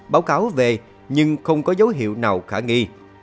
báo cáo về nhưng không có dấu hiệu nào khả nghi